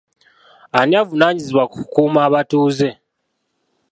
Ani avunaanyizibwa ku kukuuma abatuuze?